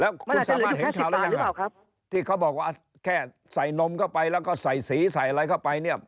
แล้วคุณสามารถเห็นข่าวแล้วยังที่เขาบอกว่าแค่ใส่นมเข้าไปแล้วก็ใส่สีใส่อะไรเข้าไปเนี่ย